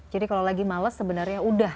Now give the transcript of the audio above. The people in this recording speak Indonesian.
jadi kalau lagi males sebenarnya udah